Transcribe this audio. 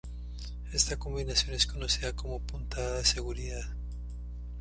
Esta combinación es conocida como puntada de seguridad.